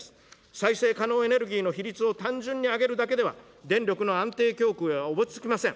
再生可能エネルギーの比率を単純に上げるだけでは、電力の安定供給はおぼつきません。